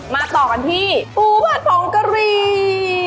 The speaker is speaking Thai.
มาต่อกันที่ปผัดของกะรี